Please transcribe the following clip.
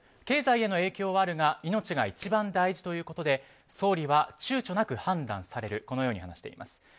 経済への影響はあるが命が一番大事ということで総理はちゅうちょなく判断されると話しています。